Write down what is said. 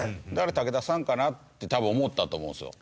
武田さんかな？って多分思ったと思うんですよ。